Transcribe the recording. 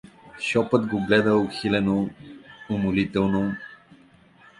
Шопът го гледа ухилено-умолително.